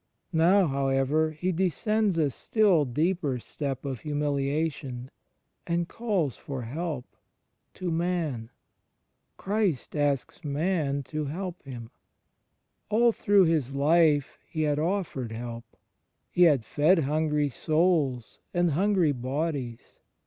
Now, however. He descends a still deeper step of himiiliation, and calls for help, to man. Christ asks man to help Him ! All through His life He had offered help : He had fed hungry souls and hungry bodies.